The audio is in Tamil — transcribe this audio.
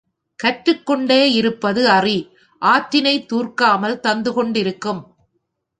கற்றுக் கொண்டே இருப்பது அறி ஆற்றினைத் துார்க்காமல் தந்து கொண்டிருக்கும்.